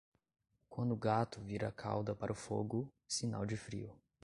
Quando o gato vira a cauda para o fogo, sinal de frio.